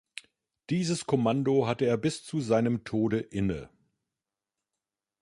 Dieses Kommando hatte er bis zu seinem Tode inne.